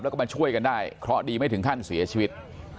แล้วก็มาช่วยกันได้เคราะห์ดีไม่ถึงขั้นเสียชีวิต